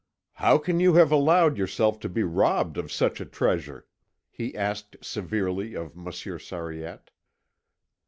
"How can you have allowed yourself to be robbed of such a treasure?" he asked severely of Monsieur Sariette.